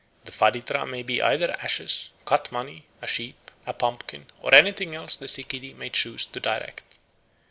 The faditra may be either ashes, cut money, a sheep, a pumpkin, or anything else the sikidy may choose to direct.